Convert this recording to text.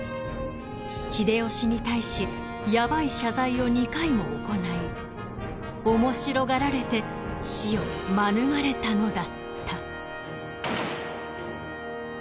［秀吉に対しヤバい謝罪を２回も行い面白がられて死を免れたのだった］